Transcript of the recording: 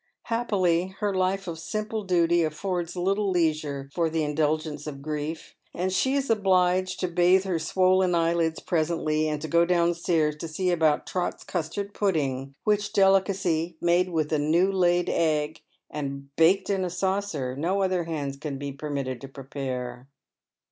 Happily, her life of simple duty aiTords little leisure fur the indulgence of grief, and she is obliged to bathe her swollen eyelids presently and to go downstairs to see about Trot's custard pudding, which delicacy, made with a new laid egg, and baked in a saucer, no other hands can be permitted to prepare.